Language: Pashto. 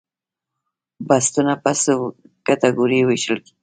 بستونه په څو کټګوریو ویشل شوي؟